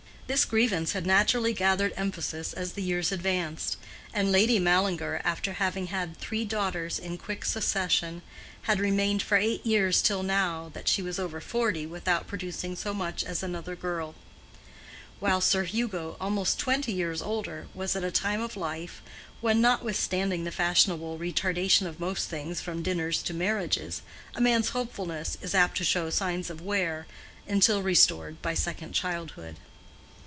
This grievance had naturally gathered emphasis as the years advanced, and Lady Mallinger, after having had three daughters in quick succession, had remained for eight years till now that she was over forty without producing so much as another girl; while Sir Hugo, almost twenty years older, was at a time of life when, notwithstanding the fashionable retardation of most things from dinners to marriages, a man's hopefulness is apt to show signs of wear, until restored by second childhood.